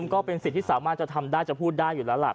ก็เป็นสิทธิ์ที่สามารถจะทำได้จะพูดได้อยู่แล้วล่ะ